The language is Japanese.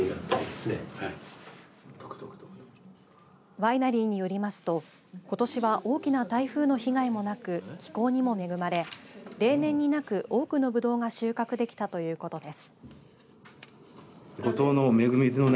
ワイナリーによりますとことしは大きな台風の被害もなく気候にも恵まれ例年になく多くのぶどうが収穫できたということです。